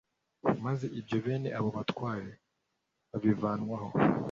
maze ibya bene abo batware babivanwaho